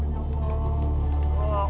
datangkan pertolonganmu ya allah